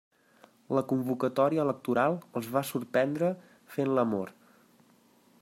La convocatòria electoral els va sorprendre fent l'amor.